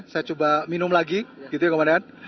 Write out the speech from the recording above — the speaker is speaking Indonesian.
saya coba minum lagi gitu ya komandan